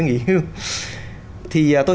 nghỉ thì tôi